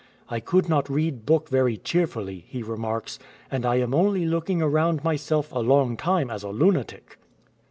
"I could not read book very cheer fully,"" he remarks, "and I am only looking around myself a long time as a lunatic.'"